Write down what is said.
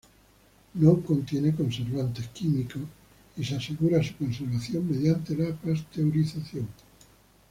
No contiene conservantes químicos y se asegura su conservación mediante la pasteurización.